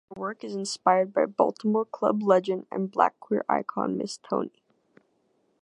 Their work is inspired by Baltimore Club legend and black queer icon Miss Tony.